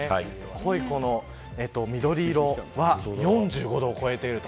濃い緑色は４５度を超えていると。